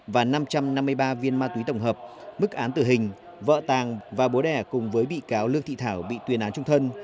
và năm trăm năm mươi ba viên ma túy tổng hợp mức án tử hình vợ tàng và bố đẻ cùng với bị cáo lương thị thảo bị tuyên án trung thân